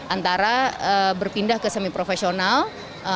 antara berpindah ke semiprofesionalnya